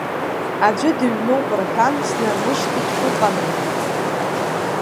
Аӡәы дыҩноуп рҳәан, снармышьҭит, ыҟами.